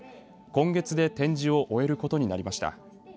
今月で展示を終えることになりました。